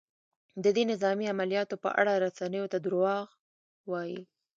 د دې نظامي عملیاتو په اړه رسنیو ته دروغ وايي؟